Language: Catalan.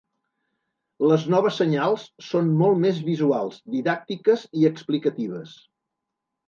Les noves senyals són molt més visuals, didàctiques i explicatives.